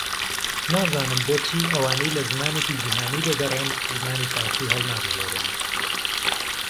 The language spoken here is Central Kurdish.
نازانم بۆ چی ئەوانەی لە زمانێکی جیھانی دەگەڕێن، زمانی فارسی ھەڵنابژێرن